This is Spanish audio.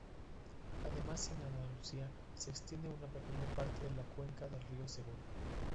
Además en Andalucía se extiende una pequeña parte de la cuenca del río Segura.